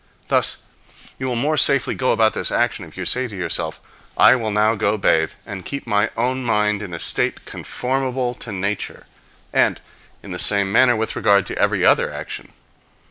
Thus you will more safely go about this action if you say to yourself, "I will now go bathe, and keep my own mind in a state conformable to nature." And in the same manner with regard to every other action.